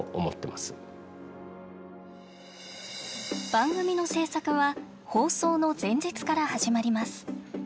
番組の制作は放送の前日から始まります。